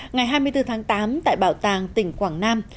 ngày hai mươi bốn tháng tám tại bảo tàng tỉnh quảng nam